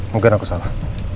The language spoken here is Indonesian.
mungkin aku salah